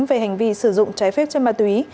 về hành vi sử dụng trái phép chất ma túy